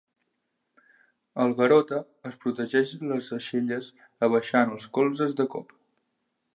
El Garota es protegeix les aixelles abaixant els colzes de cop.